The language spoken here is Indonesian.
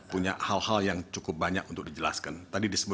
saya tahu yang mulia masih adil